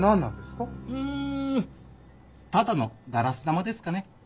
うんただのガラス玉ですかね。